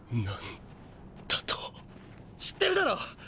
何だと⁉知ってるだろ